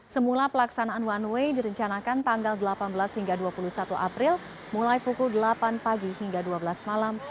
semula pelaksanaan one way direncanakan tanggal delapan belas hingga dua puluh satu april mulai pukul delapan pagi hingga dua belas malam